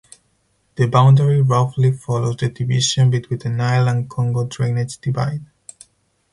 The boundary roughly follows the division between the Nile and Congo drainage divide.